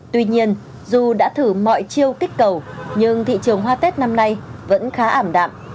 tuy nhiên dù đã thử mọi chiêu kích cầu nhưng thị trường hoa tết năm nay vẫn khá ảm đạm